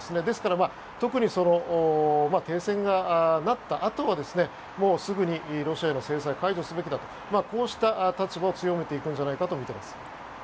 ですから特に停戦がなったあとはもうすぐにロシアへの制裁を解除すべきだとこうした立場を強めていくんじゃないかと見ています。